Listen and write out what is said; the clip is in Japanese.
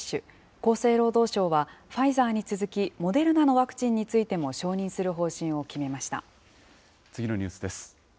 厚生労働省は、ファイザーに続き、モデルナのワクチンについても承次のニュースです。